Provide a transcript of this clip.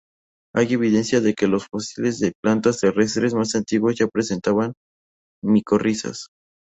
Hay evidencia de que los fósiles de plantas terrestres más antiguos ya presentaban micorrizas.